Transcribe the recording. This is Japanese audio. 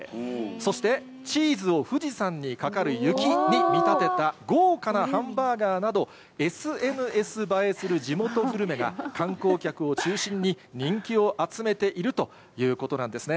そしてチーズを富士山にかかる雪に見立てた豪華なハンバーガーなど、ＳＮＳ映えする地元グルメが、観光客を中心に人気を集めているということなんですね。